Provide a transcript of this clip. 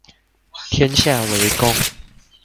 天下為公